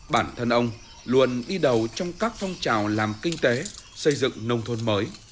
bản thân ông luôn đi đầu trong các phong trào làm kinh tế xây dựng nông thôn mới